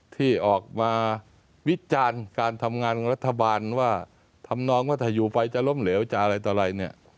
ที่ออกมาวิจารณ์การทำงานของรัฐบาลว่าทำนองว่าถ้าอยู่ไปจะล้มเหลวจะอะไรต่ออะไรเนี่ย